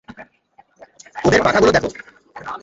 ওদের পাখাগুলো দেখো!